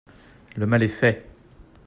Le mal est fait.